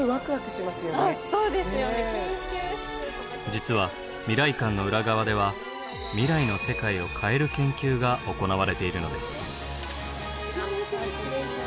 実は未来館の裏側では未来の世界を変える研究が行われているのです。